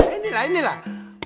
ini lah ini lah